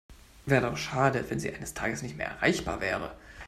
Wäre doch schade, wenn Sie eines Tages nicht mehr erreichbar wäre.